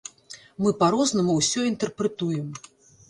Мы па-рознаму ўсё інтэрпрэтуем.